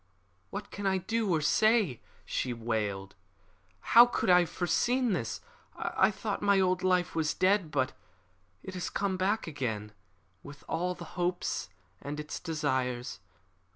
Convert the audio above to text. "What can I do or say?" she wailed. "How could I have foreseen this? I thought my old life was dead. But it has come back again, with all its hopes and its desires.